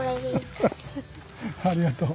ありがとう。